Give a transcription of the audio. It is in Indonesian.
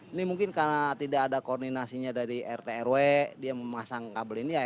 ini mungkin karena tidak ada koordinasinya dari rt rw dia memasang kabel ini ya